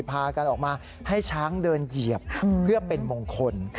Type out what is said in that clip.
พากันออกมาให้ช้างเดินเหยียบเพื่อเป็นมงคล